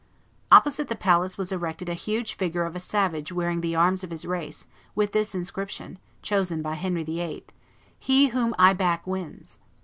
Opposite the palace was erected a huge figure of a savage wearing the arms of his race, with this inscription, chosen by Henry VIII.: "He whom I back wins."